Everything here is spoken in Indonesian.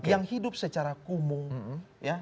yang hidup secara kumuh